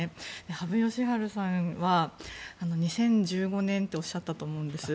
羽生善治さんは２０１５年っておっしゃったと思うんです。